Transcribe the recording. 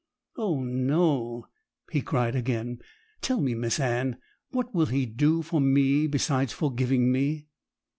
'Oh no!' he cried again. 'Tell me, Miss Anne, what will He do for me besides forgiving me?'